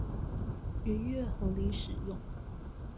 逾越合理使用